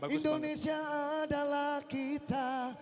indonesia adalah kita